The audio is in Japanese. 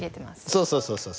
そうそうそうそう。